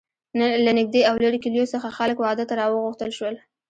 له نږدې او لرې کلیو څخه خلک واده ته را وغوښتل شول.